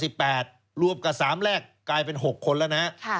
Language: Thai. แต่สามแรกกลายเป็น๖คนแล้วนะ